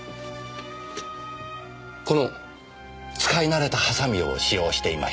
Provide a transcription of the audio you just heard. この使い慣れたハサミを使用していました。